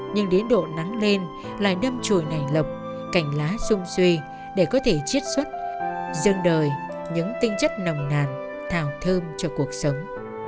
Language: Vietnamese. nhưng đến độ nắng lên lại nâm trồi nảy lọc cành lá sung xuy để có thể chiết xuất dương đời những tinh chất nồng nàn thảo thơm cho cuộc sống